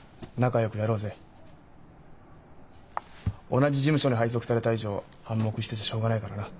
同じ事務所に配属された以上反目してちゃしょうがないからな。